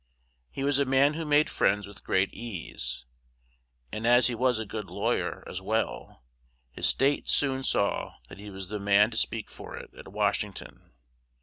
He was a man who made friends with great ease; and as he was a good law yer as well, his state soon saw that he was the man to speak for it at Wash ing ton.